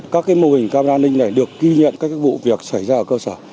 các mô hình camera an ninh này được ghi nhận các vụ việc xảy ra ở cơ sở